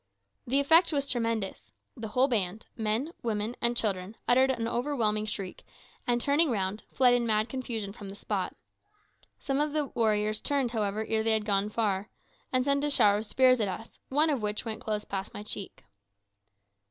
The effect was tremendous. The whole band men, women, and children uttered an overwhelming shriek, and turning round, fled in mad confusion from the spot. Some of the warriors turned, however, ere they had gone far, and sent a shower of spears at us, one of which went close past my cheek.